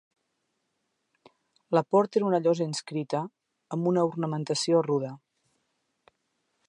La porta era una llosa inscrita, amb una ornamentació rude.